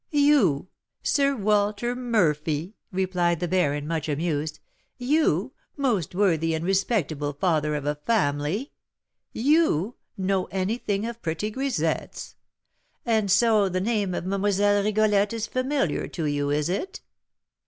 "You! Sir Walter Murphy," replied the baron, much amused. "You, most worthy and respectable father of a family! you know anything of pretty grisettes! And so the name of Mlle. Rigolette is familiar to you, is it?